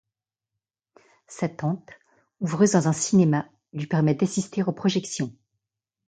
Sa tante, ouvreuse dans un cinéma, lui permet d’assister aux projections.